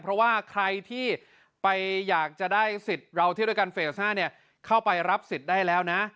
เพราะว่าใครที่ไปอยากจะได้สิทธิ์เราเที่ยวด้วยกันเฟส๕เข้าไปรับสิทธิ์ได้แล้วนะ